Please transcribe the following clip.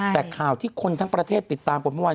แต่ข่าวที่คนทั้งประเทศติดตามกันเมื่อวาน